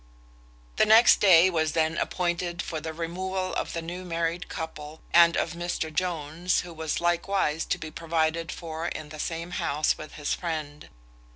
The next day was then appointed for the removal of the new married couple, and of Mr Jones, who was likewise to be provided for in the same house with his friend.